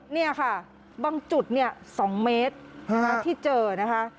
นี่ค่ะบางจุดเนี่ย๒เมตรที่เจอนะคะ